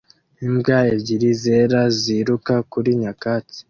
Imbwa ebyiri zera ziruka kuri nyakatsi